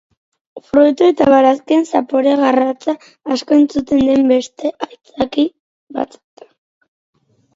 Fruitu eta barazkien zapore garratza, asko entzuten den beste aitzaki bat da.